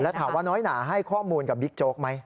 ถามว่าน้อยหนาให้ข้อมูลกับบิ๊กโจ๊กไหม